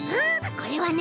これはね。